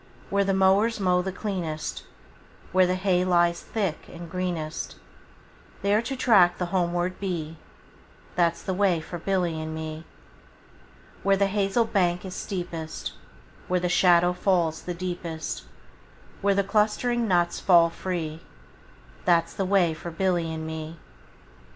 Where the mowers mow the cleanest, Where the hay lies thick and greenest, 10 There to track the homeward bee, That 's the way for Billy and me. Where the hazel bank is steepest, Where the shadow falls the deepest, Where the clustering nuts fall free, 15 That 's the way for Billy and me.